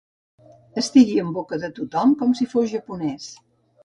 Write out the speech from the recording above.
Estigui en boca de tothom, com si fos japonès.